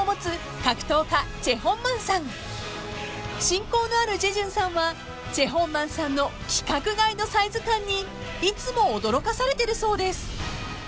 ［親交のあるジェジュンさんはチェ・ホンマンさんの規格外のサイズ感にいつも驚かされてるそうです］